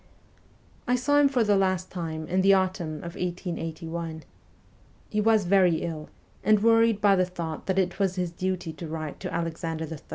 I saw him for he last time in the autumn of 1881. He was very ill, and worried by the thought that it was his duty to write to Alexander III.